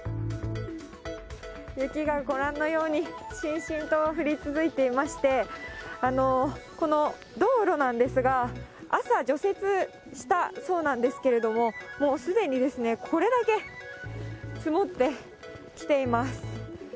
雪がご覧のように、しんしんと降り続いていまして、この道路なんですが、朝、除雪したそうなんですけども、もうすでにですね、これだけ積もってきています。